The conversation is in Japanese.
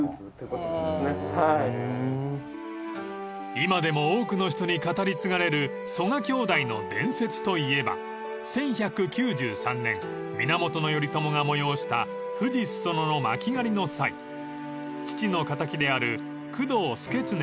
［今でも多くの人に語り継がれる曽我兄弟の伝説といえば１１９３年源頼朝が催した富士裾野の巻き狩りの際父の敵である工藤祐経を殺害］